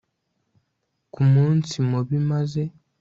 ku munsi mubi maze